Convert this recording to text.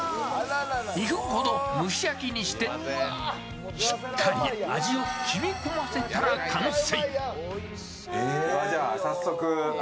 ２分ほど蒸し焼きにして、しっかり味をしみ込ませたら完成。